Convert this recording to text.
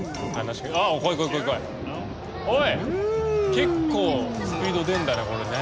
結構スピード出んだねこれね。